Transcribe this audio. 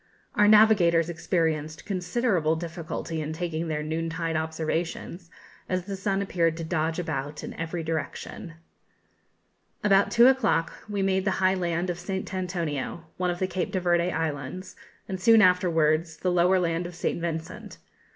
Our navigators experienced considerable difficulty in taking their noon tide observations, as the sun appeared to dodge about in every direction. About two o'clock we made the high land of St. Antonio, one of the Cape de Verde Islands, and, soon afterwards, the lower land of St Vincent.